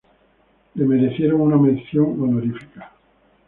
Le merecieron una mención honorífica.